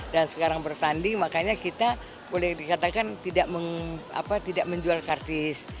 dan sekarang bertanding makanya kita boleh dikatakan tidak menjual kartis